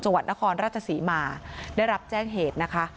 จังหวัดนครราชศรีมาได้รับแจ้งเหตุนะคะ